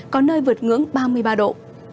có nơi vượt ngưỡng ba mươi ba độ